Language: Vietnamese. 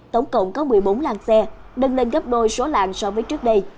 tổng cộng có một mươi bốn làng xe đâng lên gấp đôi số làng so với trước đây